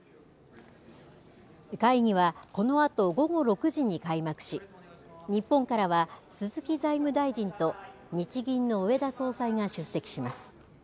会議はこのあと午後６時に開幕し日本からは鈴木財務大臣と日銀の植田総裁が出席します。